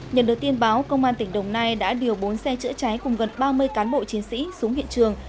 nhận được tin báo công an tỉnh đồng nai đã điều bốn xe chữa cháy cùng gần ba mươi cán bộ chiến sĩ xuống hiện trường